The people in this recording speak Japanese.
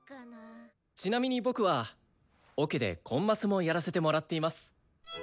ちなみに僕はオケでコンマスもやらせてもらっています。